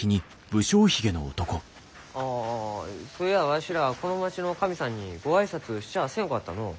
ああそういやわしらこの町の神さんにご挨拶しちゃあせんかったのう。